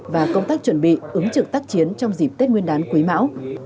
và công tác chuẩn bị ứng trực tác chiến trong dịp tết nguyên đán quý mão